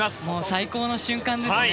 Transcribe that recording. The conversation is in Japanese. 最高の瞬間ですね。